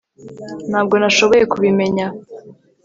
Ntabwo nashoboye kubimenya